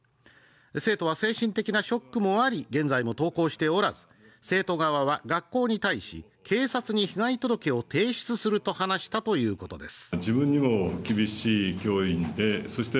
生徒は精神的なショックもあり現在も登校しておらず生徒側か学校に対し、警察に被害届を提出すると話したということです。